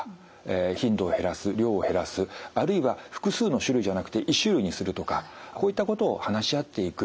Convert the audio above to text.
頻度を減らす量を減らすあるいは複数の種類じゃなくて１種類にするとかこういったことを話し合っていく。